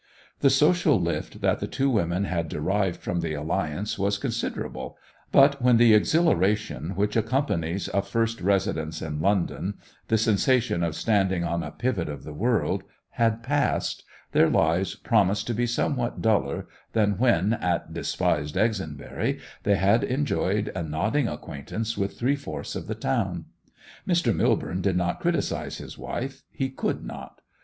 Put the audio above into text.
The social lift that the two women had derived from the alliance was considerable; but when the exhilaration which accompanies a first residence in London, the sensation of standing on a pivot of the world, had passed, their lives promised to be somewhat duller than when, at despised Exonbury, they had enjoyed a nodding acquaintance with three fourths of the town. Mr. Millborne did not criticise his wife; he could not.